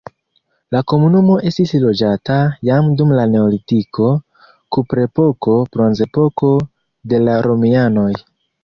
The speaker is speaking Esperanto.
La komunumo estis loĝata jam dum la neolitiko, kuprepoko, bronzepoko, de la romianoj.